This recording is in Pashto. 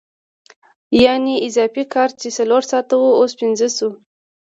یانې اضافي کار چې څلور ساعته وو اوس پنځه شو